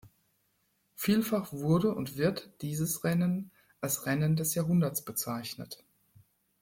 Vielfach wurde und wird dieses Rennen als „Rennen des Jahrhunderts“ bezeichnet.